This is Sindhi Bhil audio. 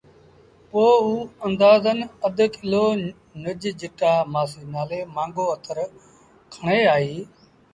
پوء اوٚ اندآزݩ اڌ ڪلو نج جٽآ مآسيٚ نآلي مآݩگو اتر کڻي آئي۔